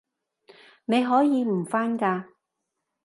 你可以唔返㗎